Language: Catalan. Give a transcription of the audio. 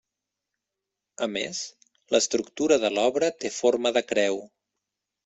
A més, l'estructura de l'obra té forma de creu.